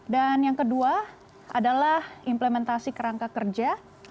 dan yang kedua adalah implementasi kerangka kerja